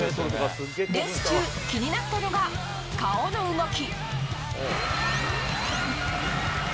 レース中、気になったのが顔の動き。